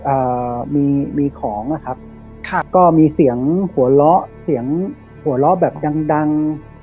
เอ่อมีมีของอะครับค่ะก็มีเสียงหัวเราะเสียงหัวเราะแบบดังดัง